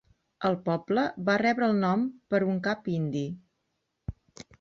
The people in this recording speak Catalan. El poble va rebre el nom per un cap indi.